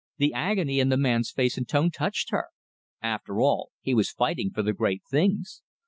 The agony in the man's face and tone touched her. After all, he was fighting for the great things.